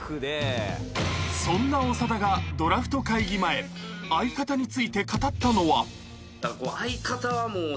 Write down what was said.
［そんな長田がドラフト会議前相方について語ったのは］